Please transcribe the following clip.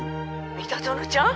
「三田園ちゃん？